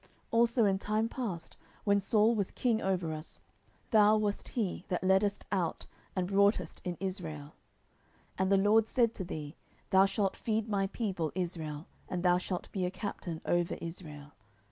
10:005:002 Also in time past, when Saul was king over us, thou wast he that leddest out and broughtest in Israel: and the LORD said to thee, Thou shalt feed my people Israel, and thou shalt be a captain over Israel.